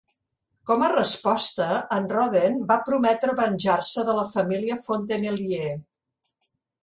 Com a resposta, en Roden va prometre venjar-se de la família Fontenellier.